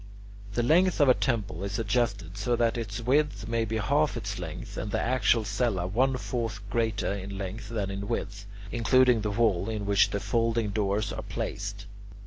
The length of a temple is adjusted so that its width may be half its length, and the actual cella one fourth greater in length than in width, including the wall in which the folding doors are placed.